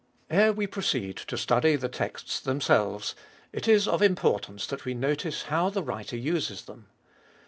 Ere we proceed to study the texts themselves, it is of importance that we notice how the writer uses them.